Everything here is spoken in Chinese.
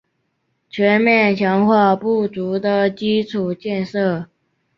全面强化不足的基础建设